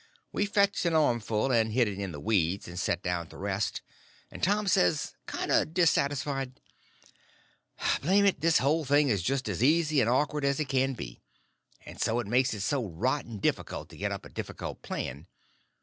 We fetched an armful and hid it in the weeds, and set down to rest, and Tom says, kind of dissatisfied: "Blame it, this whole thing is just as easy and awkward as it can be. And so it makes it so rotten difficult to get up a difficult plan.